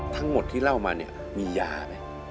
ทั้งหมดที่เล่ามาเนี่ยมียาไหม